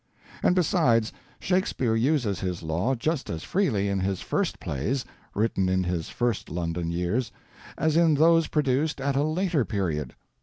And besides, Shakespeare uses his law just as freely in his first plays, written in his first London years, as in those produced at a later period.